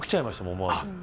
思わず。